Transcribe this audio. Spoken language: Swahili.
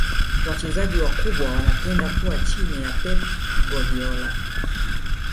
wachezaji wakubwa wanapenda kuwa chini ya pep guardiola